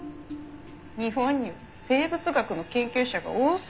日本には生物学の研究者が多すぎるんです。